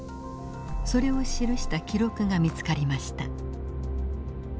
それを記した記録が見つかりました。